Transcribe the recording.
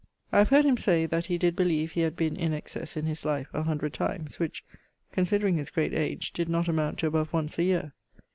I have heard him say that he did beleeve he had been in excesse in his life, a hundred times; which, considering his great age, did not amount to above once a yeare.